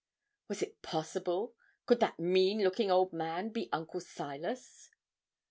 'Was it possible could that mean looking old man be Uncle Silas?'